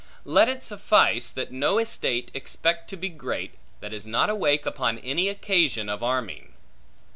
Let it suffice, that no estate expect to be great, that is not awake upon any just occasion of arming.